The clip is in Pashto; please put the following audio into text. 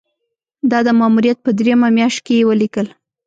دا د ماموریت په دریمه میاشت کې یې ولیکل.